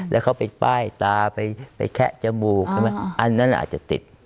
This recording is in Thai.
แล้วเขาไปป้ายตาไปแคะจมูกใช่ไหมอันนั้นอาจจะติด